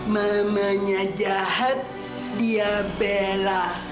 mamanya jahat dia bela